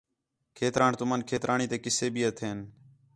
کھیتران تُمن کھیترانی تے قصے بھی ہتھین